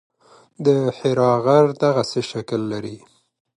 د حرا غر دغسې شکل لري.